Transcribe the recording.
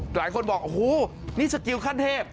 หลายคนบอกโอ้โหนี่สกิลขั้นเทพ